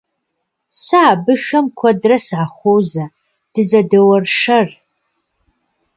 Сэ абыхэм куэдрэ сахуозэ, дызэдоуэршэр.